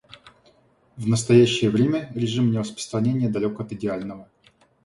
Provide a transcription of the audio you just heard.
В настоящее время режим нераспространения далек от идеального.